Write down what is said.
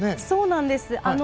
そうなんです。